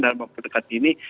dalam waktu dekat ini